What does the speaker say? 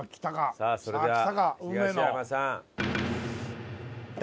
さあそれでは東山さん。